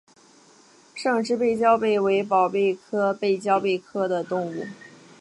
胜枝背焦贝为宝贝科背焦贝属的动物。